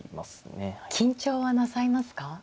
緊張はなさいますか？